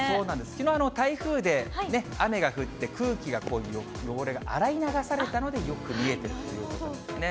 きのう、台風で雨が降って、空気が、汚れが洗い流されたので、よく見えているということなんですね。